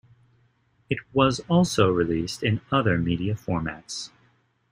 It was also released in other media formats.